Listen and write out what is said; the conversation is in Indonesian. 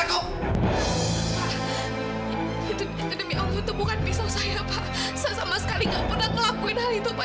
kok itu demi allah itu bukan pisau saya pak saya sama sekali nggak pernah ngelakuin hal itu pak